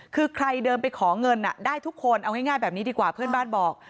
คือใครเดินไปขอเงินได้ทุกคนเอาง่ายแบบนี้ดีกว่าเพื่อนบ้านบอก